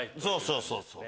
そうそうそう。